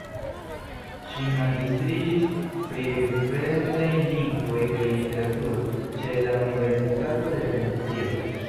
Ŝi magistriĝis pri Fremdaj lingvoj kaj Literaturo ĉe la Universitato de Venecio.